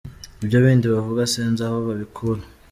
Ibyo bindi bavuga sinzi aho babikura.